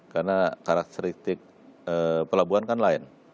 karena karakteristik pelabuhan kan lain